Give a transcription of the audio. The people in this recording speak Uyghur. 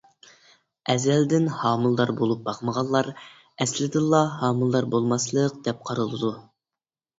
ئەزەلدىن ھامىلىدار بولۇپ باقمىغانلار ئەسلىدىنلا ھامىلىدار بولماسلىق دەپ قارىلىدۇ.